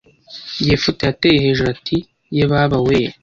Yefuta yateye hejuru ati ye baba we